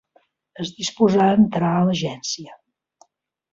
Es disposà a entrar a l'agència.